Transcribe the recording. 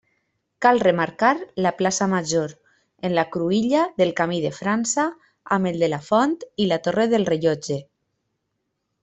Cal remarcar la plaça Major, en la cruïlla del camí de França amb el de la Font i la torre del rellotge.